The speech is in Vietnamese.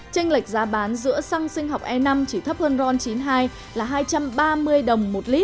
tranh lệch giá bán giữa xăng sinh học e năm chỉ thấp hơn ron chín mươi hai là hai trăm ba mươi đồng một lít